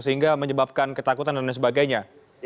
sehingga menyebabkan ketakutan dan lain sebagainya